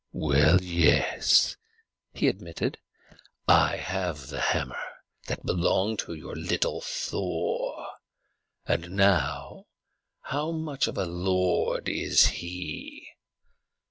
"Well, yes," he admitted. "I have the hammer that belonged to your little Thor; and now how much of a lord is he?"